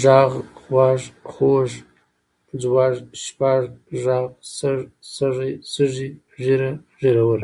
غږ، غوږ، خوَږ، ځوږ، شپږ، ږغ، سږ، سږی، سږي، ږېره، ږېروَر .